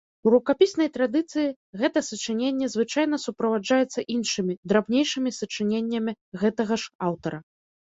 У рукапіснай традыцыі гэта сачыненне звычайна суправаджаецца іншымі, драбнейшымі сачыненнямі гэтага ж аўтара.